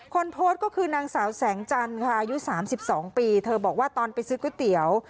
คนโพสต์ก็คือนางสาวแสงจันทร์ค่ะอายุ๓๒ปีเธอบอกว่าตอนไปซื้อก๋วยเตี๋ยว